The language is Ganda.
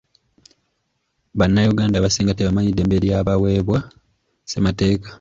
Bannayuganda abasinga tebamanyi ddembe lya baweebwa ssemateeka.